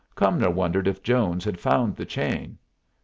Cumnor wondered if Jones had found the chain.